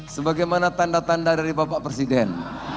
sebagaimana tanda tanda dari bapak presiden